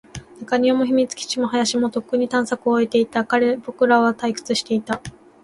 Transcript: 中庭も、秘密基地も、林も、とっくに探索を終えていた。僕らは退屈していた。